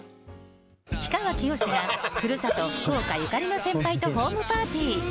氷川きよしさんがふるさと、福岡ゆかりの先輩とホームパーティー。